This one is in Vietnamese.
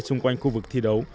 xung quanh khu vực thi đấu